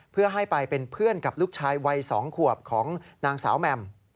เพื่อให้ไปเป็นเพื่อนกับลูกชายวัย๒ขวบของนางสาวแหม่ม